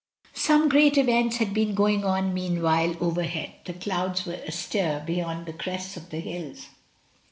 Some great events had been going on mean while overhead, the clouds were astir beyond the crests of the hills.